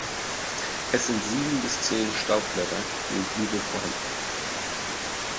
Es sind sieben bis zehn Staubblätter je Blüte vorhanden.